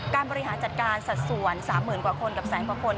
การบริหารจัดการสัดส่วนสามหมื่นกว่าคนกับแสงกว่าคน